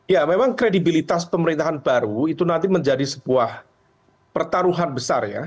ya memang kredibilitas pemerintahan baru itu nanti menjadi sebuah pertaruhan besar ya